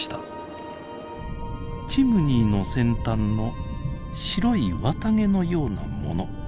チムニーの先端の白い綿毛のようなもの。